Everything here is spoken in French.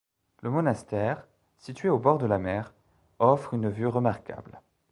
Le monastère, situé au bord de la mer, offre une vue remarquable.